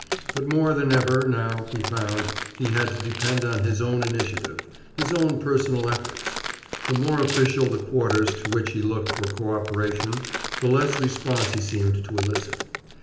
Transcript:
But more than ever, now, he found, he had to depend on his own initiative, his own personal efforts. The more official the quarters to which he looked for cooperation, the less response he seemed to elicit.